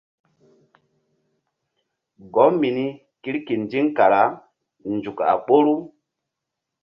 Gɔm mini kirkindiŋ kara nzuk a ɓoru.